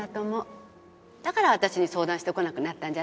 だから私に相談してこなくなったんじゃない？